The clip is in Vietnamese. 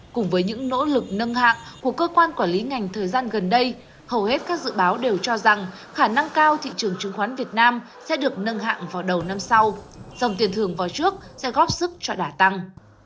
cùng với những nỗ lực nâng hạng của cơ quan quản lý ngành thời gian gần đây hầu hết các dự báo đều cho rằng khả năng cao thị trường chứng khoán việt nam sẽ được nâng hạng vào đầu năm sau dòng tiền thường vào trước sẽ góp sức cho đả tăng